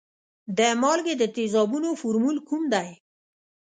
د مالګې د تیزابونو فورمول کوم دی؟